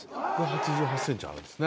１８８ｃｍあるんですね。